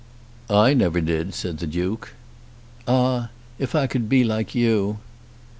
"I never did," said the Duke. "Ah, if I could be like you!"